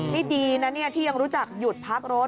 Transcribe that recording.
นี่ดีนะเนี่ยที่ยังรู้จักหยุดพักรถ